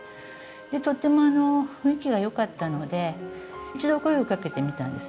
でとても雰囲気が良かったので一度声をかけてみたんです。